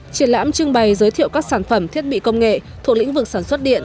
triển lãm trưng bày giới thiệu các sản phẩm thiết bị công nghệ thuộc lĩnh vực sản xuất điện